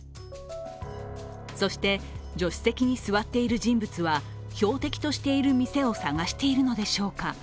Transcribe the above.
そして、助手席に座っている人物は標的としている店を探しているのでしょうか。